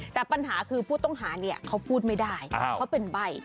แต่ปัญหาคือผู้ต้องหาเนี่ยเขาพูดไม่ได้เขาเป็นใบ